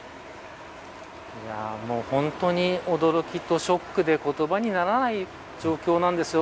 本当に驚きとショックで言葉にならない状況なんですよ。